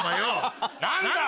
何だよ